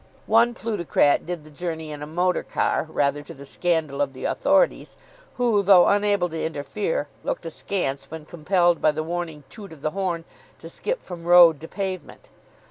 One plutocrat did the journey in a motor car, rather to the scandal of the authorities, who, though unable to interfere, looked askance when compelled by the warning toot of the horn to skip from road to pavement.